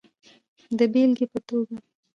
د بیلګی په توکه